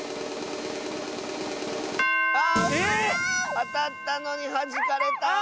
あたったのにはじかれた。